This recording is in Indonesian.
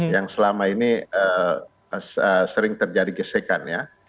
yang selama ini sering terjadi gesekan ya